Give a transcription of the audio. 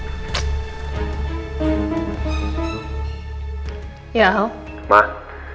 reina kemana sih